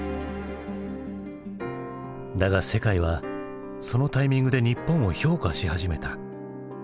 だが世界はそのタイミングで日本を評価し始めた。